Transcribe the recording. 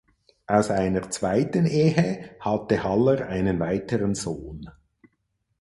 Aus einer zweiten Ehe hatte Haller einen weiteren Sohn.